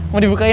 mau dibukain ya